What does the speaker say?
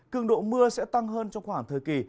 cường độ mưa sẽ tăng hơn trong khoảng thời kỳ